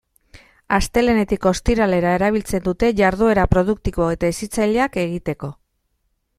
Astelehenetik ostiralera erabiltzen dute, jarduera produktibo eta hezitzaileak egiteko.